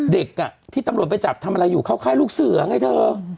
เด็กที่ตำรวจไปจับทำอะไรอยู่เข้าค่ายลูกเสือไงเธอ